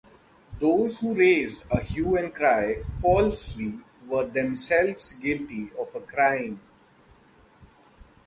Those who raised a hue and cry falsely were themselves guilty of a crime.